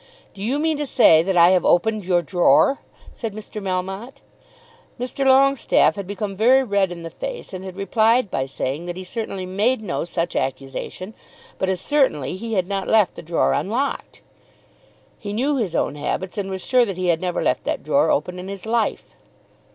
"Do you mean to say that I have opened your drawer?" said Mr. Melmotte. Mr. Longestaffe had become very red in the face and had replied by saying that he certainly made no such accusation, but as certainly he had not left the drawer unlocked. He knew his own habits and was sure that he had never left that drawer open in his life.